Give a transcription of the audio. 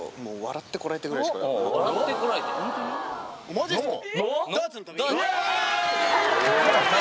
マジっすか？